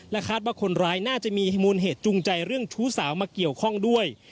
คาดว่าคนร้ายน่าจะมีมูลเหตุจูงใจเรื่องชู้สาวมาเกี่ยวข้องด้วย